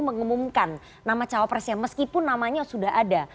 mengumumkan nama cawapresnya meskipun namanya sudah ada